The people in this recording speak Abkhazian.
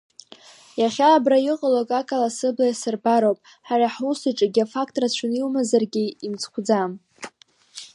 Иахьа абра иҟало акакала сыбла иасырбароуп, ҳара ҳусаҿ егьа фақт рацәаны иумазаргьы имцхәӡам.